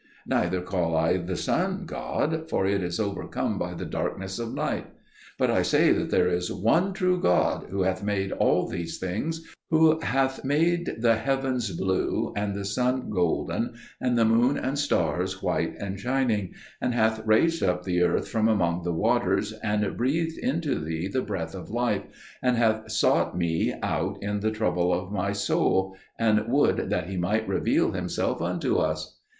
Neither call I the sun god, for it is overcome by the darkness of night. But I say that there is one true God who hath made all these things; who hath made the heavens blue, and the sun golden, and the moon and stars white and shining, and hath raised up the earth from among the waters, and breathed into thee the breath of life, and hath sought me out in the trouble of my soul; and would that He might reveal Himself unto us!"